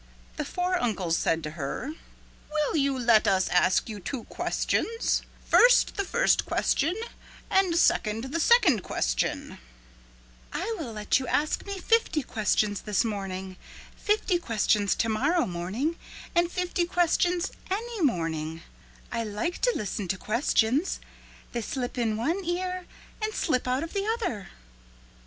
The four uncles said to her, "Will you let us ask you two questions, first the first question and second the second question?" [Illustration: Then the uncles asked her the first question first] "I will let you ask me fifty questions this morning, fifty questions to morrow morning, and fifty questions any morning. I like to listen to questions. They slip in one ear and slip out of the other."